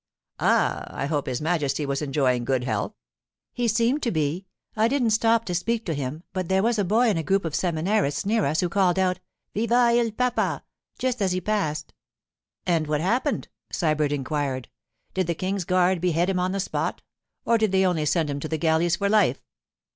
'Ah, I hope His Majesty was enjoying good health?' 'He seemed to be. I didn't stop to speak to him, but there was a boy in a group of seminarists near us who called out, "Viva il papa," just as he passed.' 'And what happened?' Sybert inquired. 'Did the King's guard behead him on the spot, or did they only send him to the galleys for life?